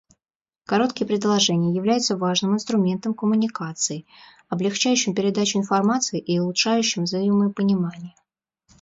Короткие предложения являются важным инструментом коммуникации, облегчающим передачу информации и улучшающим взаимопонимание.